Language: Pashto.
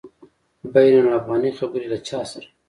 بین الافغاني خبري له چا سره؟